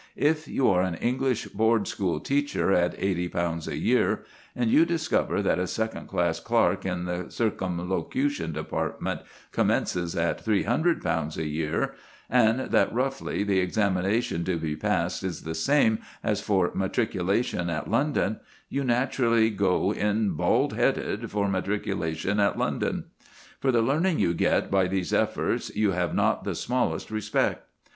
If you are an English board school teacher at £80 a year and you discover that a second class clerk in the Circumlocution Department commences at £300 a year, and that, roughly, the examination to be passed is the same as for matriculation at London, you naturally go in bald headed for matriculation at London. For the learning you get by these efforts you have not the smallest respect.